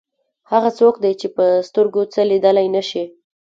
هغه څوک دی چې په سترګو څه لیدلی نه شي.